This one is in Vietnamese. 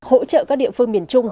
hỗ trợ các địa phương miền trung